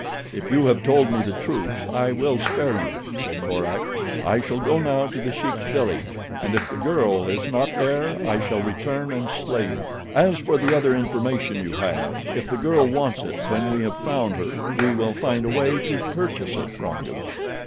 "If you have told me the truth I will spare you," said Korak. "I shall go now to The Sheik's village and if the girl is not there I shall return and slay you. As for the other information you have, if the girl wants it when we have found her we will find a way to purchase it from you."